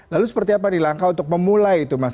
lalu seperti apa nih langkah untuk memulai itu mas